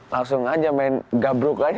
langsung aja main gabruk aja